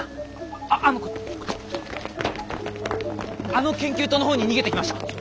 あのあの研究棟の方に逃げていきました。